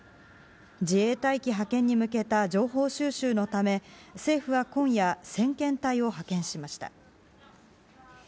自衛隊機派遣に向けた情報収集のため政府は今夜先遣隊を派遣しました。